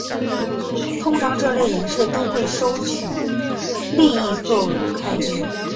通常这类人士都会收取利益作开支。